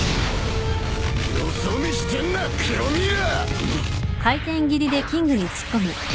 よそ見してんな黒ミイラ！